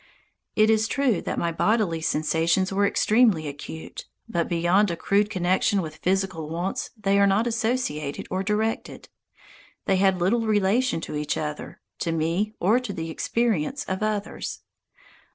It is true that my bodily sensations were extremely acute; but beyond a crude connection with physical wants they are not associated or directed. They had little relation to each other, to me or the experience of others.